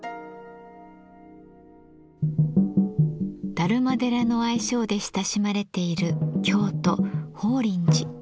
達磨寺の愛称で親しまれている京都法輪寺。